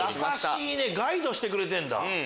ガイドしてくれるんだ。